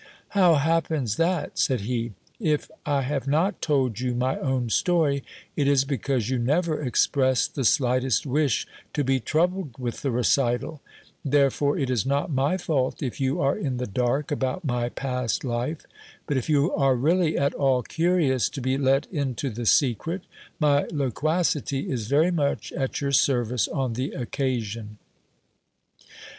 How happens that? said he. If I have not told you my own story, it is because you never expressed the slightest wish to be troubled with the recital : therefore it is not my fault if you are in the dark about my past life ; but if you are really at all curious to be let into the secret, my loqua city is very much at your service on the occasion.